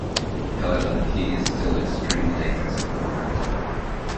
However, he is still extremely dangerous in combat.